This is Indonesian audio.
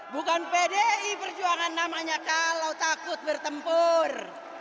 bukan pdi perjuangan namanya kalau takut bertempur